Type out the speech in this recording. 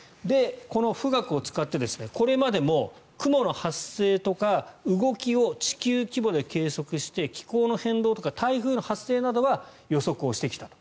この富岳を使って、これまでも雲の発生とか動きを地球規模で計測して気候の変動とか台風の発生などは予測をしてきたと。